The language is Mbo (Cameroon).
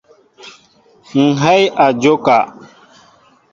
Ŋhɛy a njóka.